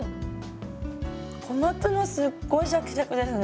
小松菜すっごいシャキシャキですね。